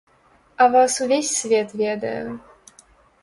А вас увесь свет ведае!